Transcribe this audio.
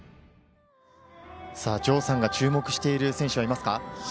城さんが注目している選手はいますか？